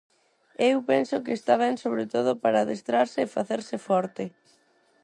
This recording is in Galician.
Eu penso que está ben sobre todo para adestrarse e facerse forte.